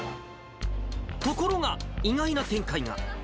ところが、意外な展開が。